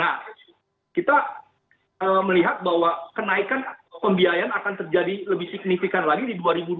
nah kita melihat bahwa kenaikan pembiayaan akan terjadi lebih signifikan lagi di dua ribu dua puluh